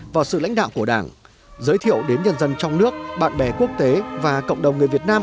vào sự lãnh đạo của đảng giới thiệu đến nhân dân trong nước bạn bè quốc tế và cộng đồng người việt nam